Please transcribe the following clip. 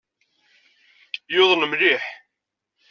Yuḍen mliḥ.